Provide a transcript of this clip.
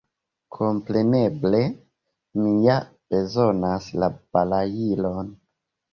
Kompreneble, mi ja bezonas la balailon.